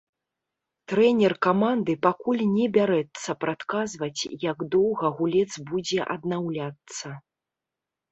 Трэнер каманды пакуль не бярэцца прадказваць, як доўга гулец будзе аднаўляцца.